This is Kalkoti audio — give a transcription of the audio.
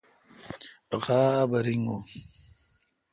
غابہ ریگون۔